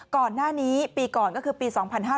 ก่อนหน้านี้ปีก่อนก็คือปี๒๕๕๙